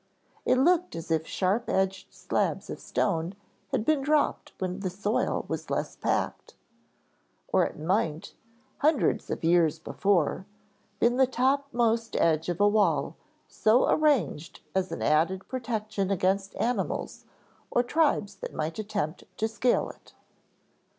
It looked as if sharp edged slabs of stone had been dropped when the soil was less packed; or it might, hundreds of years before, been the top most edge of a wall so arranged as an added protection against animals or tribes that might attempt to scale it.